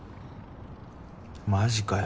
マジかよ